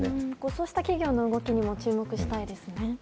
そうした企業の動きにも注目したいですね。